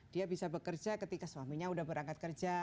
dia bisa bekerja ketika suaminya sudah berangkat kerja